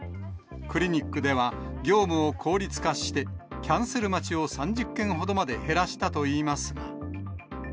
クリニックでは業務を効率化して、キャンセル待ちを３０件ほどまで減らしたといいますが。